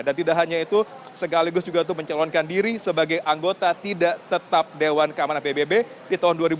dan tidak hanya itu segaligus juga untuk mencalonkan diri sebagai anggota tidak tetap dewan kementerian pembangunan